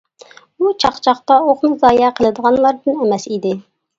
ئۇ چاقچاقتا ئوقنى زايە قىلىدىغانلاردىن ئەمەس ئىدى.